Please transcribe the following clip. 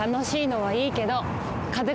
はい。